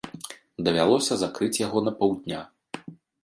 Давялося закрыць яго на паўдня.